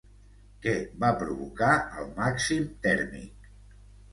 Què va provocar el màxim tèrmic?